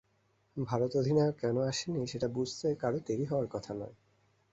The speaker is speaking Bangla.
ভারত অধিনায়ক কেন আসেননি, সেটা বুঝতে কারও দেরি হওয়ার কথা নয়।